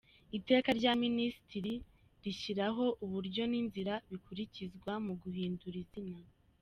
Iteka rya Minisitiri rishyiraho uburyo n’inzira bikurikizwa mu guhindura izina ;